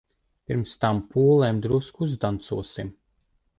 Pirms tām pūlēm drusku uzdancosim.